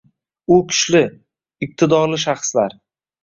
U kuchli, iqtidorli shaxslar.